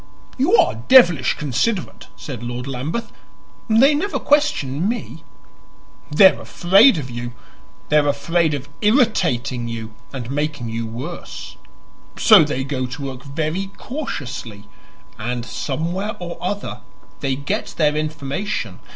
"You are devilish considerate," said Lord Lambeth. "They never question me." "They are afraid of you. They are afraid of irritating you and making you worse. So they go to work very cautiously, and, somewhere or other, they get their information.